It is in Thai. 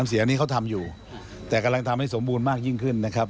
เสียงนี้เขาทำอยู่แต่กำลังทำให้สมบูรณ์มากยิ่งขึ้นนะครับ